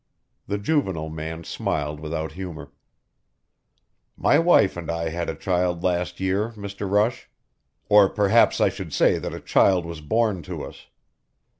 The Juvenile Man smiled without humor. "My wife and I had a child last year, Mr. Rush. Or perhaps I should say that a child was born to us.